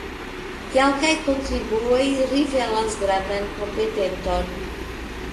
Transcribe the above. Kelkaj kontribuoj rivelas grandan kompetenton.